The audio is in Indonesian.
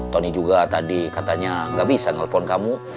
tony juga tadi katanya gak bisa ngelepon kamu